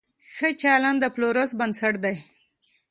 ښه چلند د پلور بنسټ دی.